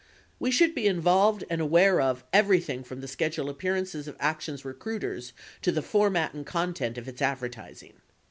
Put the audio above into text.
We should be involved and aware of everything from the scheduled appearances of ACTION'S recruiters to the format and content of its advertising.